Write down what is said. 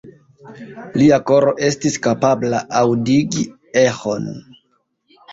Lia koro estis kapabla aŭdigi eĥon.